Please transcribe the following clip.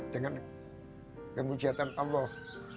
dengan kemujatan allah